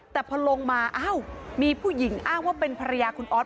แต่พอลงมาอ้าวมีผู้หญิงอ้างว่าเป็นภรรยาคุณออส